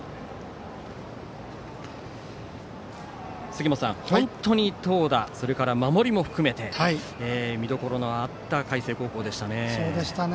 杉本さん、本当に投打それから守りも含めて見どころのあった海星高校でしたね。